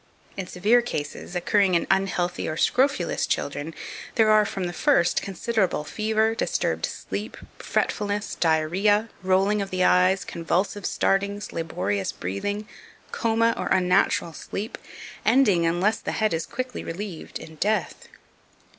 In severe cases, occurring in unhealthy or scrofulous children, there are, from the first, considerable fever, disturbed sleep, fretfulness, diarrhoea, rolling of the eyes, convulsive startings, laborious breathing, coma, or unnatural sleep, ending, unless the head is quickly relieved, in death.